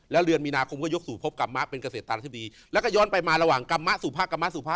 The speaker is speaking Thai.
แล้วเดือนมีนาคมก็ยกสู่พบกรรมะเป็นเกษตราธิบดีแล้วก็ย้อนไปมาระหว่างกรรมมะสุพะกรรมะสุพะ